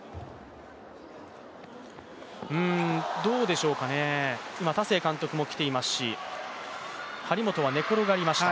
どうでしょうかね、今、田勢監督も来ていますし、張本は寝転がりました。